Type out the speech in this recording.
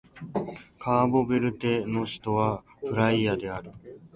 カーボベルデの首都はプライアである